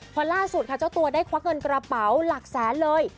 พอล่าสุดค่ะเจ้าตัวได้ควักเงินกระเป๋าหลักแสนเลย